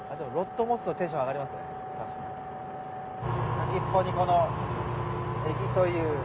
先っぽにこの餌木という。